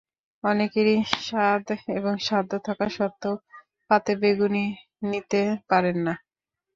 অনেকেরই সাধ এবং সাধ্য থাকা সত্ত্বেও পাতে বেগুনি নিতে পারেন না।